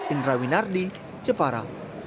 indra winardi jepara